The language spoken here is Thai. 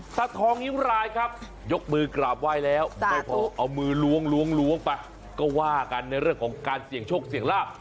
ตาทองนิ้วรายครับยกมือกราบไหว้แล้วไม่พอเอามือล้วงล้วงไปก็ว่ากันในเรื่องของการเสี่ยงโชคเสี่ยงลาบ